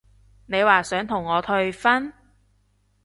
你話想同我退婚？